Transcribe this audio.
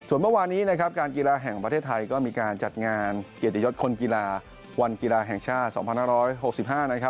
ส่วนประวัตินี้การกีฬาแห่งประเทศไทยก็มีการจัดงานเกียรติยศคนกีฬาวันกีฬาแห่งชาติ๒๖๖๕